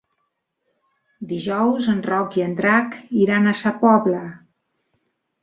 Dijous en Roc i en Drac iran a Sa Pobla.